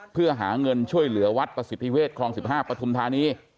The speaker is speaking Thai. เพื่อหาเงินช่วยเหลือวัดประสิทธิเวศคลอง๑๕ปฐุมธานี